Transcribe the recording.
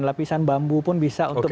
lapisan bambu pun bisa untuk